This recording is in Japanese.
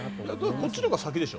こっちのほうが先でしょ？